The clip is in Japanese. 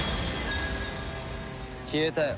消えたよ。